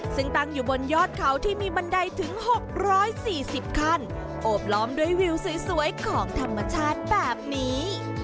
ซึ่งตั้งอยู่บนยอดเขาที่มีบันไดถึง๖๔๐ขั้นโอบล้อมด้วยวิวสวยของธรรมชาติแบบนี้